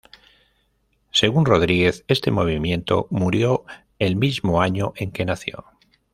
Según Rodríguez, este movimiento murió el mismo año en que nació.